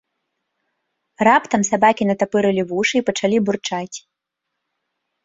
Раптам сабакі натапырылі вушы і пачалі бурчаць.